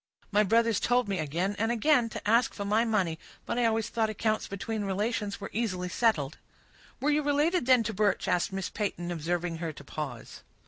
My brothers told me, again and again, to ask for my money; but I always thought accounts between relations were easily settled." "Were you related, then, to Birch?" asked Miss Peyton, observing her to pause.